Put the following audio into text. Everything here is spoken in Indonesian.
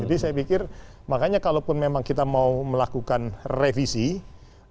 jadi saya pikir makanya kalau pun memang kita mau melakukan revisi ataupun apapun itu